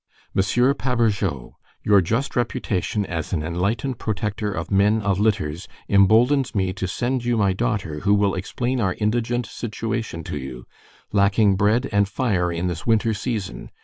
Monsiuer Pabourgeot, your just reputation as an enlightened protector of men of litters emboldens me to send you my daughter who will explain our indigant situation to you, lacking bread and fire in this wynter season.